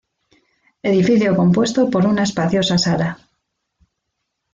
Edificio compuesto por una espaciosa sala.